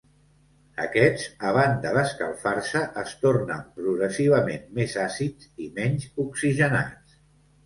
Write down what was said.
Aquests, a banda d’escalfar-se, es tornen progressivament més àcids i menys oxigenats.